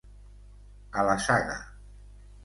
A la saga.